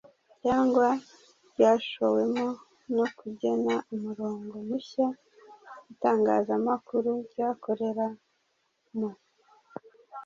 cyangwa ryashowemo no kugena umurongo mushya itangazamakuru ryakoreramo